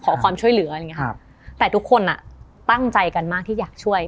ขอความช่วยเหลือแต่ทุกคนตั้งใจกันมากที่อยากช่วย